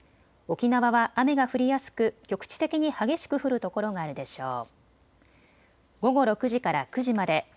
沖縄は雨が降りやすく局地的に激しく降る所があるでしょう。